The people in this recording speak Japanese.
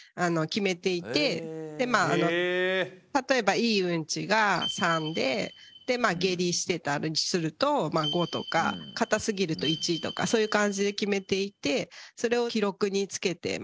例えばいいうんちが３で下痢してたりすると５とか固すぎると１とかそういう感じで決めていてそれを記録につけてますね。